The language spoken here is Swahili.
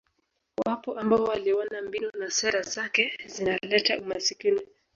Wapo ambao waliona mbinu na sera zake zinaleta umasikini